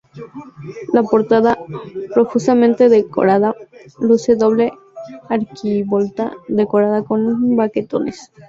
La portada, profusamente decorada, luce doble arquivolta decorada con baquetones.